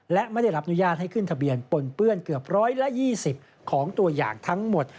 และไม่ได้รับอนุญาตให้ขึ้นทะเบียนปนเปื้อนเกือบ๑๒๐ของตัวอย่างทั้งหมด